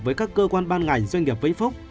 với các cơ quan ban ngành doanh nghiệp vĩnh phúc